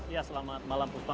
ya selamat malam puspa